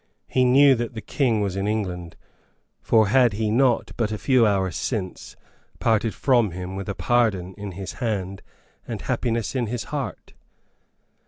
He knew that the King was in England; for had he not but a few hours since, parted from him with a pardon in his hand and happiness in his heart?